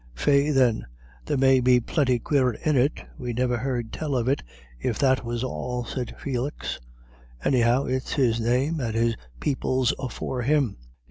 "Faix, then, there may be plinty quarer in it, we niver heard tell of, if that was all," said Felix. "Anyhow, it's his name, and his people's afore him.